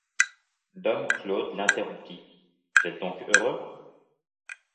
Dom Claude l’interrompit: — Vous êtes donc heureux?